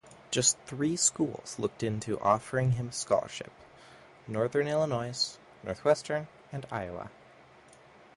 Just three schools looked into offering him a scholarship: Northern Illinois, Northwestern, and Iowa.